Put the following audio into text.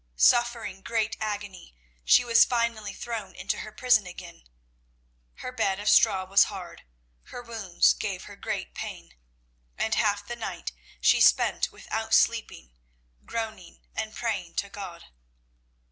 Suffering great agony, she was finally thrown into her prison again. Her bed of straw was hard, her wounds gave her great pain, and half the night she spent without sleeping, groaning and praying to God.